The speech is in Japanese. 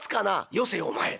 「よせお前。